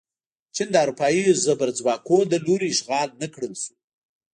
چین د اروپايي زبرځواکونو له لوري اشغال نه کړل شو.